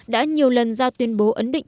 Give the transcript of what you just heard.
đã nhiều lần ra tuyên bố ấn định